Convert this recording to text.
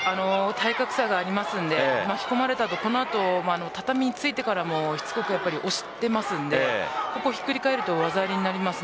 体格差があるので巻き込まれた後畳についてからもしつこく押しているのでここでひっくり返ると技ありになります。